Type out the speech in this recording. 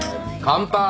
乾杯。